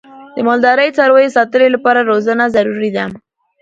د مالدارۍ د څارویو د ساتنې لپاره روزنه ضروري ده.